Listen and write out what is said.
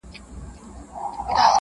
دلته رنګین- رنګین خوبونه لیدل-